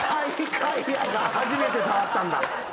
初めて触ったんだ。